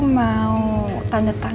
m mileage sekarang